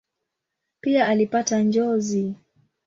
Pia alipata njozi.